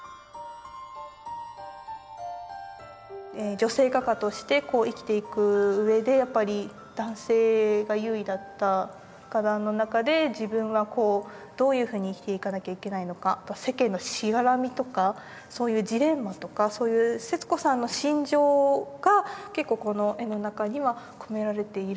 女性画家として生きていく上でやっぱり男性が優位だった画壇の中で自分はこうどういうふうに生きていかなきゃいけないのか世間のしがらみとかそういうジレンマとかそういう節子さんの心情が結構この絵の中には込められている。